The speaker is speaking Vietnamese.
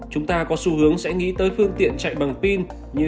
chúng ta có xu hướng sẽ nghĩ tới phương tiện chạy bằng pin như